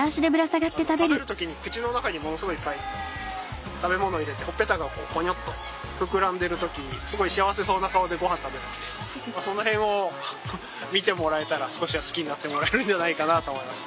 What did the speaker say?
食べる時に口の中にものすごいいっぱい食べ物を入れてほっぺたがこうぽにょっと膨らんでる時すごい幸せそうな顔でごはん食べるのでその辺を見てもらえたら少しは好きになってもらえるんじゃないかなと思います。